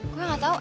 gue nggak tau